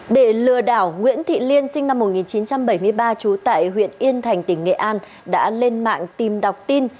để lừa đảo nguyễn thị liên sinh năm một nghìn chín trăm bảy mươi ba trú tại huyện yên thành tỉnh nghệ an đã lên mạng tìm đọc tin